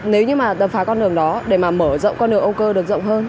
nếu như mà phá con đường đó để mở rộng con đường âu cơ được rộng hơn